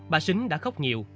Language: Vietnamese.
bà xính đã khóc nhiều